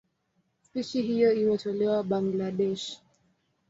Spishi hiyo imetoweka Bangladesh.